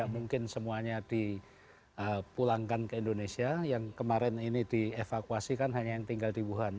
mungkin semuanya dipulangkan ke indonesia yang kemarin ini dievakuasi kan hanya yang tinggal di wuhan